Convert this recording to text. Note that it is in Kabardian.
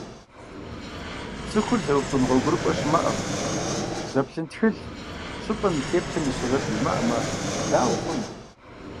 ЦӀыхур зэупщӀын гъуэгурыкӀуэ щымыӀэмэ, зэплъын тхылъ, щӀыпӀэм и теплъэм и сурэт уимыӀэмэ, дауэ хъуну?